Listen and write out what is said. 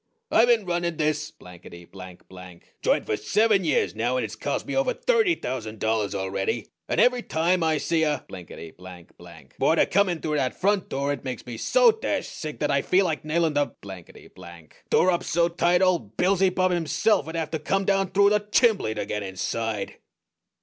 I been running this blankety blank blank joint for seven years now, and it's cost me over thirty thousand dollars already, and every time I see a blinkety blank blank boarder come in through that front door it makes me so dashed sick that I feel like nailin' the blankety blank door up so tight old Beelzybub himself'd have to come down through the chimbley to get inside!"